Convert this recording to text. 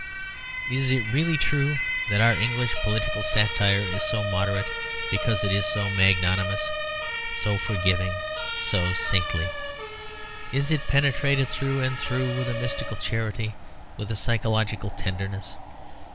Is it really true that our English political satire is so moderate because it is so magnanimous, so forgiving, so saintly? Is it penetrated through and through with a mystical charity, with a psychological tenderness?